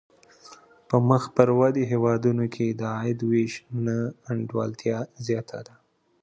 په مخ پر ودې هېوادونو کې د عاید وېش نا انډولتیا زیاته ده.